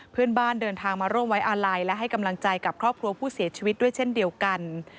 เพื่อนบ้านเดินทางมาร่วมไว้อาลัยและให้กำลังใจกับครอบครัวผู้เสียชีวิตด้วยเช่นเดียวกัน